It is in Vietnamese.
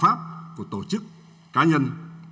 bảo vệ tổ chức cá nhân